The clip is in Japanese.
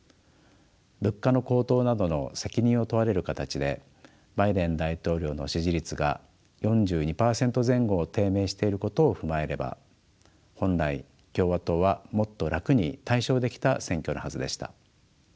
物価の高騰などの責任を問われる形でバイデン大統領の支持率が４２％前後を低迷していることを踏まえれば本来共和党はもっと楽に大勝できた選挙のはずでした。